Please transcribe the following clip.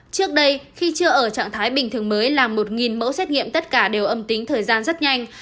trước đây khi chưa ở trạng thái bình thường mới là một mẫu xét nghiệm tất cả đều âm tính thời gian rất nhanh